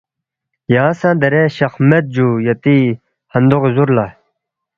یانگ سہ دیرے شخ مید جُو یتی ہندوغی زُر لا